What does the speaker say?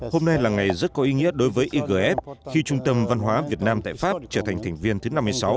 hôm nay là ngày rất có ý nghĩa đối với igf khi trung tâm văn hóa việt nam tại pháp trở thành thành viên thứ năm mươi sáu